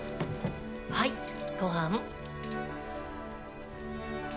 はいごはん。